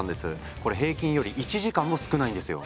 これ平均より１時間も少ないんですよ。